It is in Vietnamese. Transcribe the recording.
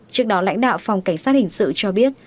trước đó lãnh đạo phòng cảnh sát hình sự cho biết